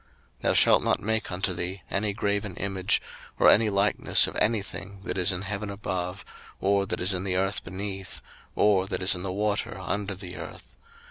02:020:004 Thou shalt not make unto thee any graven image, or any likeness of any thing that is in heaven above, or that is in the earth beneath, or that is in the water under the earth.